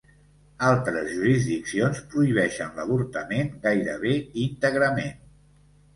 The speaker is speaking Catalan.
Altres jurisdiccions prohibeixen l'avortament gairebé íntegrament.